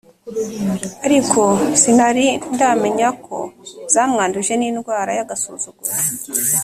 Ariko sinari ndamenya ko zamwanduje n'indwara y'agasuzuguro.